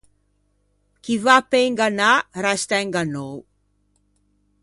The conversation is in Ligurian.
Chi va pe ingannâ resta ingannou.